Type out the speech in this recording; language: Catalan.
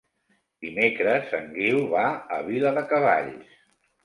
Dimecres en Guiu va a Viladecavalls.